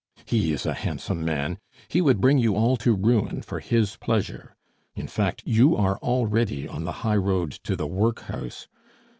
He is a handsome man! He would bring you all to ruin for his pleasure; in fact, you are already on the highroad to the workhouse.